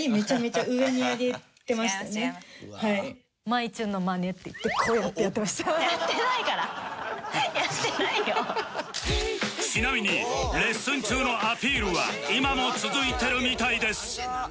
ちなみにレッスン中のアピールは今も続いてるみたいです